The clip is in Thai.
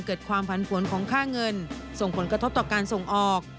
เกิดความผันผวนของค่าเงินส่งผลกระทบต่อการส่งออก